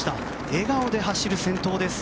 笑顔で走る先頭です。